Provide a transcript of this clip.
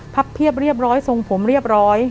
เพียบเรียบร้อยทรงผมเรียบร้อย